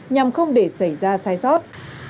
nhằm không để xảy ra sai sót